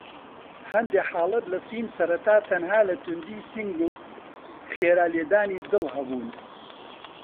هەندێک حاڵەت لە سین سەرەتا تەنها لە توندی سینگ و خێرا لێدانی دڵ هەبوون.